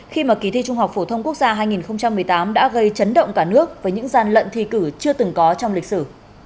khi mà kỳ thi trung học phổ thông quốc gia hai nghìn một mươi tám đã gây chấn động cả nước với những gian lận thi cử chưa từng có trong lịch sử